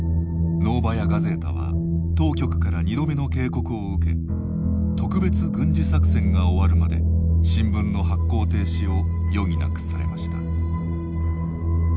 ノーバヤ・ガゼータは当局から２度目の警告を受け特別軍事作戦が終わるまで新聞の発行停止を余儀なくされました。